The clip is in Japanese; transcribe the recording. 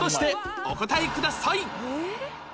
お答えください